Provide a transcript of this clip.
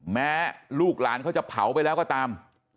แม่ลูกหลานเขาจะเผาไปแล้วก็ตาม